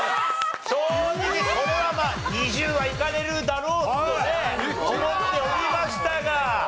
正直このまま２０はいかれるだろうとね思っておりましたが。